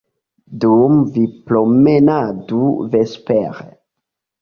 Dume vi promenadu vespere.